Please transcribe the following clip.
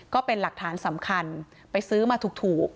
ก็เป็นหลักฐานสำคัญไปซื้อมาถูก